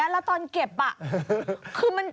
คุณศ่อนอุ้ม